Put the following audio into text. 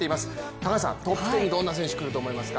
高橋さんトップ１０にどんな選手がくると思いますか？